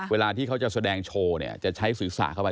เวลาที่เขาจะแสดงโชว์จะใช้ศึกษาเข้าไป